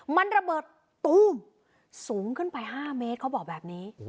มันระเบิดตู้มสูงขึ้นไป๕เมตรเขาบอกแบบนี้